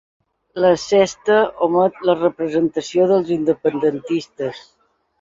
La Sexta omet la representació dels independentistes